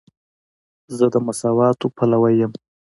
زه د مساواتو پلوی یم.